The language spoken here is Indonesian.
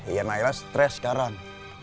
iya nailah stress sekarang